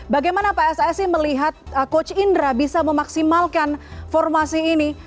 bagaimana pssi melihat coach indra bisa memaksimalkan formasi ini